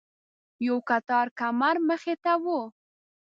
یو کټار کمر مخې ته و.